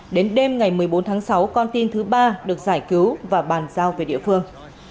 đến đêm ngày một mươi bốn tháng sáu con tin thứ ba được giải cứu và bàn giao về địa phương